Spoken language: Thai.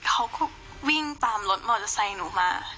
เขาก็วิ่งตามรถมอเตอร์ไซค์หนูมา